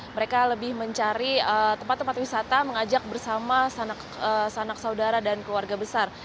mereka lebih mencari tempat tempat wisata mengajak bersama sanak saudara dan keluarga besar